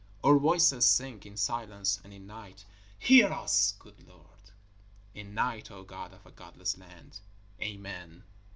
_ Our voices sink in silence and in night. Hear us, good Lord! In night, O God of a godless land! _Amen!